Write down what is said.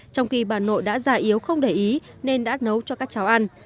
trong khi bà nội đã già yếu không để ý nên đã nấu cho các cháu ăn